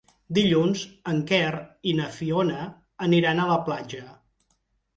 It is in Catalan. Dilluns en Quer i na Fiona aniran a la platja.